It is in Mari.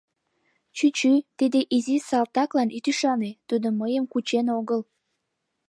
Чӱчӱ, тиде изи салтаклан ит ӱшане, тудо мыйым кучен огыл.